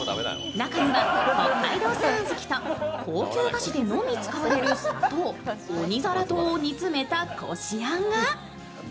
中には、北海道産小豆と高級お菓子でのみ使われる砂糖鬼双糖を煮詰めたこしあんが。